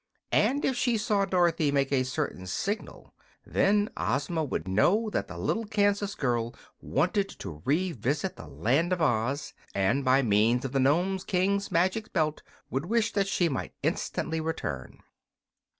And, if she saw Dorothy make a certain signal, then Ozma would know that the little Kansas girl wanted to revisit the Land of Oz, and by means of the Nome King's magic belt would wish that she might instantly return.